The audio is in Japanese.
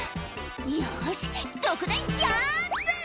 「よし特大ジャンプ！」